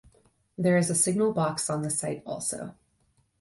There is a signal box on site also.